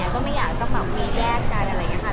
ก็ไม่อยากสมัครมีแยกกันอะไรอย่างนี้ค่ะ